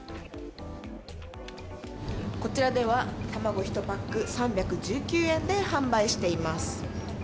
こちらでは、卵１パック３１９円で販売しています。